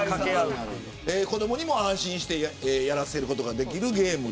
子どもにも、安心してやらせることができるゲーム。